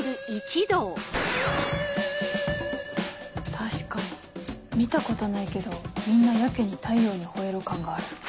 確かに見たことないけどみんなやけに『太陽にほえろ！』感がある。